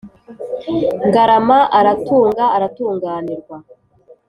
Ngarama aratunga, aratunganirwa.